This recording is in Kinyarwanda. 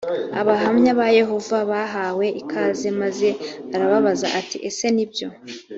abahamya ba yehova bahawe ikaze maze arababaza ati ese nibyo